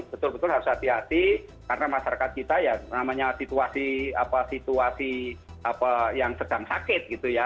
betul betul harus hati hati karena masyarakat kita ya namanya situasi apa yang sedang sakit gitu ya